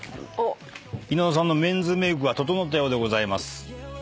稲田さんのメンズメイクが整ったようでございます。